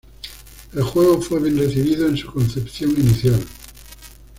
El juego fue bien recibido en su concepción inicial.